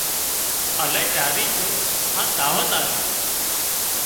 الاهي راضي ڇو هان دعوت آلي